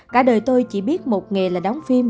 cả đời tôi chỉ biết một nghề là đóng phim